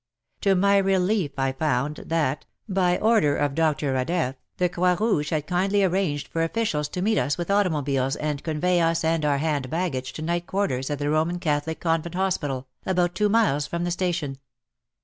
To my relief I found that, by order of Dr. 70 WAR AND WOMEN Radeff, the Croix Rouge had kindly arranged for officials to meet us with automobiles and convey us and our hand baggage to night quarters at the Roman Catholic Convent Hospital, about two miles from the station.